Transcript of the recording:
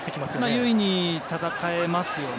優位に戦えますよね。